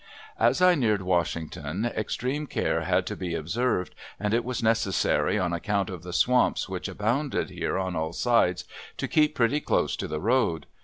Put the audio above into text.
As I neared Washington extreme care had to be observed, and it was necessary on account of the swamps which abounded here on all sides, to keep pretty close to the road.